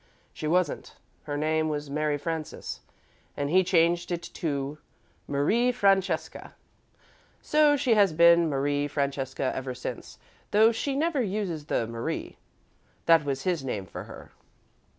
"She wasn't. Her name was 'Mary Frances,' and he changed it to 'Marie Francesca.' So she has been 'Marie Francesca' ever since, though she never uses the 'Marie.' That was his name for her."